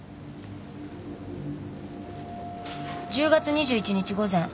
１０月２１日午前。